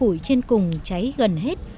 khi lớp củi trên cùng cháy gần hết